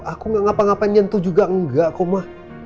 aku gak ngapa ngapain nyentuh juga enggak kok ma